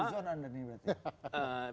suzon anda nih berarti